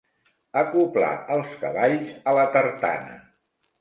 Acoblar els cavalls a la tartana.